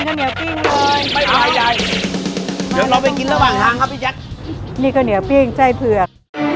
ไม่ภายใจเดี๋ยวเราไปกินระหว่างทางครับพี่แจ๊คนี่กำเนื้อปิ้งไส้เผือก